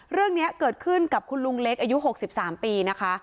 เรื่องนี้เกิดขึ้นกับคุณลุงเล็กอายุ๖๓ปีนะคะ